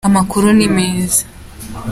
Amakuru ni meza.